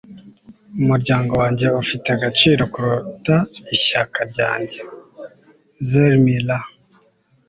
umuryango wanjye ufite agaciro kuruta ishyaka ryanjye. - zell miller